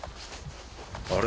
あれ？